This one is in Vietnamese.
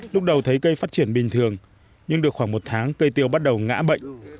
lúc đầu thấy cây phát triển bình thường nhưng được khoảng một tháng cây tiêu bắt đầu ngã bệnh